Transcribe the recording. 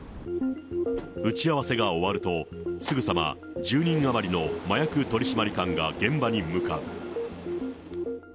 打ち合わせが終わると、すぐさま１０人余りの麻薬取締官が現場に向かう。